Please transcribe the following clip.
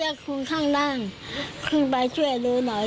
อ๋อเรียกคุณข้างล่างขึ้นไปช่วยดูหน่อย